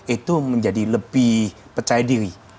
itu menjadi lebih percaya diri